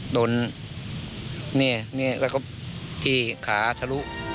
โดนเนี่ยแล้วก็ที่ขาทะลุ